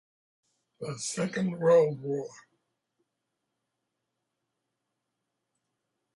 The Second World War.